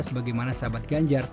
sebagaimana sahabat ganjar